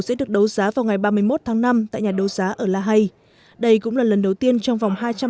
sẽ được đấu giá vào ngày ba mươi một tháng năm tại nhà đấu giá ở la hay đây cũng là lần đầu tiên trong vòng